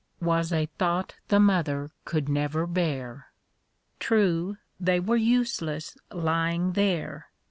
Was a tliought the mother could never bear. True, they were useless lying there.